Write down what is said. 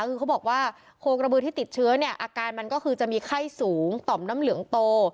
คือเขาบอกว่าโคกระบือที่ติดเชื้อเนี่ยอาการมันก็คือจะมีไข้สูงต่อมน้ำเหลืองโต